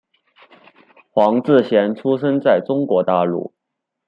黄志贤出生在中国大陆。